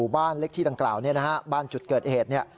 บ้านเล็กที่ดังกล่าวบ้านจุดเกิดอิเหตุ